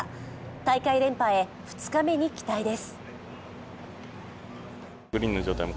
大会連覇へ２日目に期待です。